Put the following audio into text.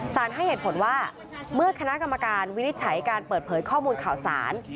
ให้เหตุผลว่าเมื่อคณะกรรมการวินิจฉัยการเปิดเผยข้อมูลข่าวสาร